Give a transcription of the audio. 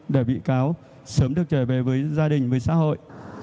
để bị cáo sớm được trở về với gia đình với xã hội